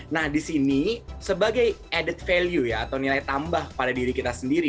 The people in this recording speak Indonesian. nah di sini sebagai added value ya atau nilai tambah pada diri kita sendiri